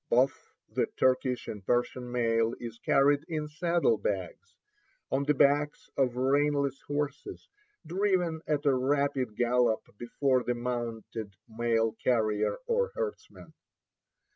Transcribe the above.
Both the Turkish and Persian mail is carried in saddle bags on the backs of reinless horses driven at a rapid gallop before the mounted mail carrier or herdsman.